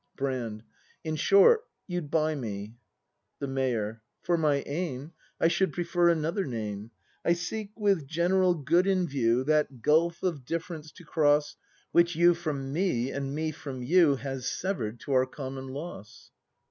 Brand. In short, you'd buy me. The Mayor. For my aim I should prefer another name: I seek, with general good in view. 176 BRAND [act iv That gulf of difference to cross Which you from me and me from you Has sever'd, to our common loss.